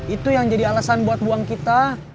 itu yang jadi alasan buat buang kita